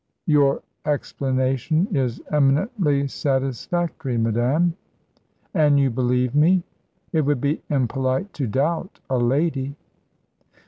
"Your explanation is eminently satisfactory, madame." "And you believe me?" "It would be impolite to doubt a lady."